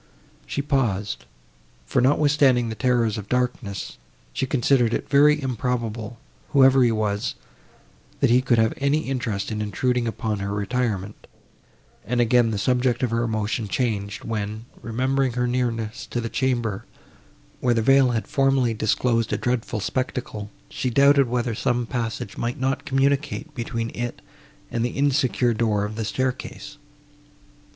She paused, for, notwithstanding the terrors of darkness, she considered it to be very improbable, whoever he was, that he could have any interest in intruding upon her retirement; and again the subject of her emotion changed, when, remembering her nearness to the chamber, where the veil had formerly disclosed a dreadful spectacle, she doubted whether some passage might not communicate between it and the insecure door of the staircase.